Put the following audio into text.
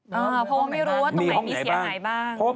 อ๋อเพราะว่าไม่รู้ว่าตรงไหนมีเสียหายบ้างมีห้องไหนบ้าง